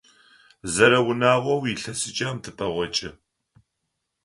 Зэрэунагъоу илъэсыкӏэм тыпэгъокӏы.